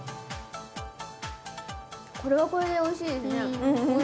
これはこれでおいしいですね。